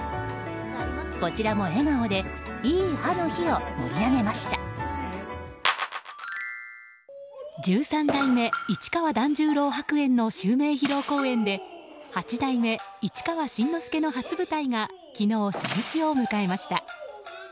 こちらも笑顔でいい「は」の日を十三代目市川團十郎白猿の襲名披露公演で八代目市川新之助の初舞台が昨日、初日を迎えました。